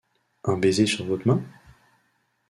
Un baiser sur votre main ?